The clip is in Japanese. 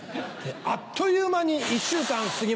あっという間に１週間過ぎ。